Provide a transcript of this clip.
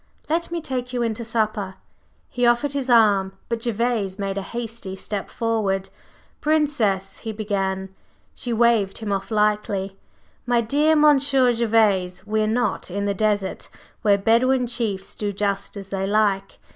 Let me take you in to supper." He offered his arm, but Gervase made a hasty step forward. "Princess," he began She waved him off lightly. "My dear Monsieur Gervase, we are not in the desert, where Bedouin chiefs do just as they like.